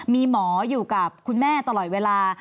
มีหมออยู่กับคุณแม่ตลอดเวลา